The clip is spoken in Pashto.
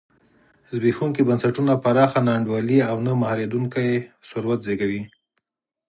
زبېښونکي بنسټونه پراخه نا انډولي او نه مهارېدونکی ثروت زېږوي.